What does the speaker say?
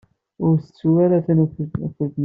Ur ttettu ara tanfult-nnem.